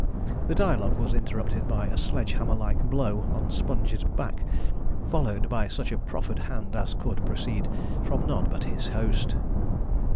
The dialogue was interrupted by a sledge hammer like blow on Sponge's back, followed by such a proffered hand as could proceed from none but his host.